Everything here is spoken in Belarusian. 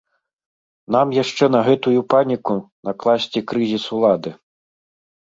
Нам яшчэ на гэтую паніку накласці крызіс улады.